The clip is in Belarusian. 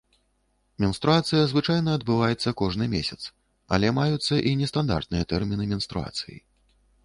Менструацыя звычайна адбываецца кожны месяц, але маюцца і нестандартныя тэрміны менструацыі.